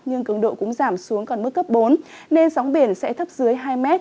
nhưng cường độ cũng giảm xuống còn mức cấp bốn nên sóng biển sẽ thấp dưới hai m